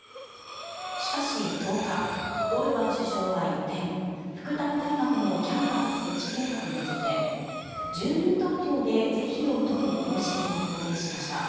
しかし、１０日オルバン首相は一転復旦大学のキャンパス設置計画について住民投票で是非を問う方針を表明しました。